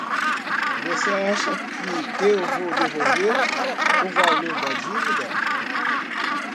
Você acha que eu vou devolver o valor da dívida?